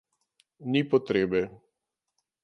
Ni potrebe.